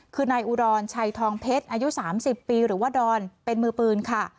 คือนายอุดรชัยทองเพชรอายุ๓๐ปีหรือว่าดอนเป็นมือปืนค่ะ